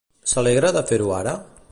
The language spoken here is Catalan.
S'alegra de fer-ho ara?